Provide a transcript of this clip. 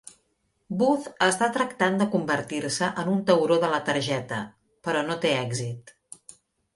Booth està tractant de convertir-se en un "tauró de la targeta", però no té èxit.